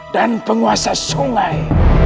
dan penguasa sungai